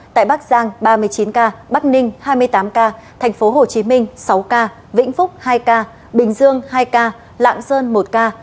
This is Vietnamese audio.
tại bắc giang ba mươi chín ca bắc ninh hai mươi tám ca tp hcm sáu ca vĩnh phúc hai ca bình dương hai ca lạng sơn một ca